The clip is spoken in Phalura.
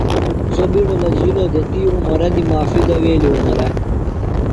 سو بیڈو لجِجِلوۡ دےۡ تی عمرہ دی معافیۡ دویلیۡ۔ عمرہ